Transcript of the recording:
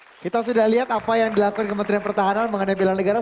oke kita sudah lihat apa yang dilakukan kementerian pertahanan mengenai bela negara